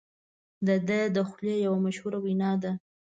د ده د خولې یوه مشهوره وینا ده.